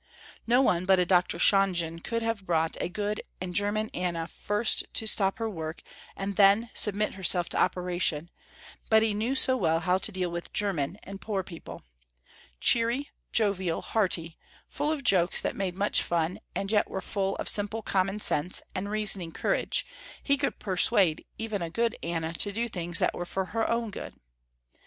No one but a Dr. Shonjen could have brought a good and german Anna first to stop her work and then submit herself to operation, but he knew so well how to deal with german and poor people. Cheery, jovial, hearty, full of jokes that made much fun and yet were full of simple common sense and reasoning courage, he could persuade even a good Anna to do things that were for her own good.